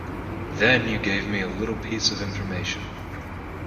Then you gave me a little piece of information.